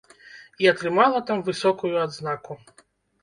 І атрымала там высокую адзнаку.